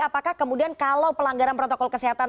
apakah kemudian kalau pelanggaran protokol kesehatan